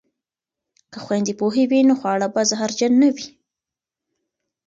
که خویندې پوهې وي نو خواړه به زهرجن نه وي.